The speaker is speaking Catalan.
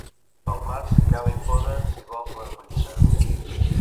Pel març cava i poda, si vols bona collita.